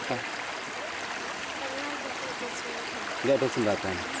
tidak ada jembatan